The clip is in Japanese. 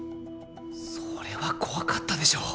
それは怖かったでしょう。